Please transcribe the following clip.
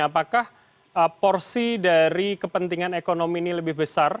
apakah porsi dari kepentingan ekonomi ini lebih besar